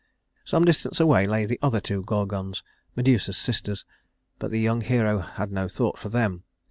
Some distance away lay the other two Gorgons, Medusa's sisters, but the young hero had no thought for them.